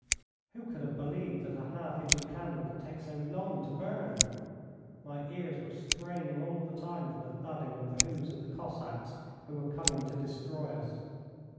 Who could have believed that a half inch of candle could take so long to burn? My ears were straining all the time for the thudding of the hoofs of the Cossacks who were coming to destroy us.